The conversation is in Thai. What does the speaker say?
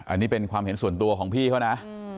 อันนี้เป็นความเห็นส่วนตัวของพี่เขานะ